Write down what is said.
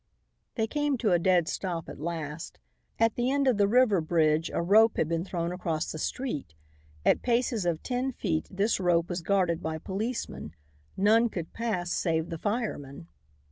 They came to a dead stop at last. At the end of the river bridge a rope had been thrown across the street. At paces of ten feet this rope was guarded by policemen. None could pass save the firemen.